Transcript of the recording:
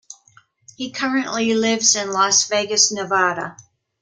He currently lives in Las Vegas, Nevada.